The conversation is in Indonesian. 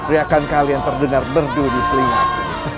riakan kalian terdengar berdua di telingaku